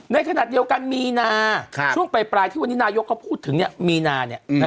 ในขณะเดียวกันมีนาช่วงปลายที่วันนี้นายกเขาพูดถึงมีนา